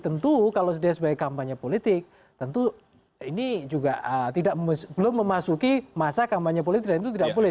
tentu kalau dia sebagai kampanye politik tentu ini juga belum memasuki masa kampanye politik dan itu tidak boleh